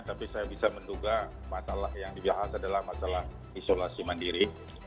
tapi saya bisa menduga masalah yang dibahas adalah masalah isolasi mandiri